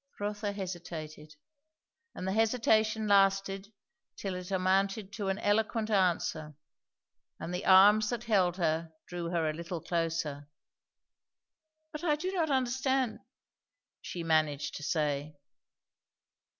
Rotha hesitated, and the hesitation lasted till it amounted to an eloquent answer; and the arms that held her drew her a little closer. "But I do not understand " she managed to say.